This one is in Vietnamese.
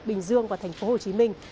bình dương và thành phố hồ chí minh